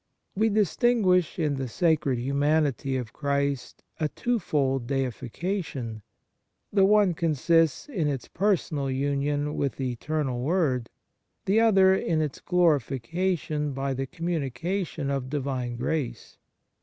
We distinguish in the sacred humanity of Christ a twofold deification: the one 1 Eph. iv. 3 6. 79 THE MARVELS OF DIVINE GRACE consists in its personal union with the Eternal Word, the other in its glorification by the communication of Divine grace.